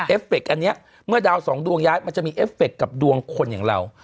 ฟเฟคอันนี้เมื่อดาวสองดวงย้ายมันจะมีเอฟเฟคกับดวงคนอย่างเรา